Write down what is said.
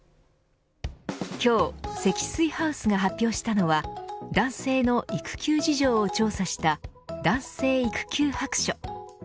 今日積水ハウスが発表したのは男性の育休事情を調査した男性育休白書。